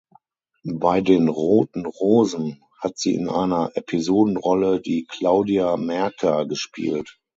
Bei den „Roten Rosen“ hat sie in einer Episodenrolle die „Claudia Märker“ gespielt.